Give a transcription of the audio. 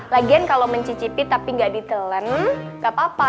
lagian kalau mencicipi tapi enggak ditelen enggak apa apa